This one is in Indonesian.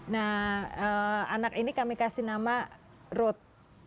nah anak ini kami kasih nama road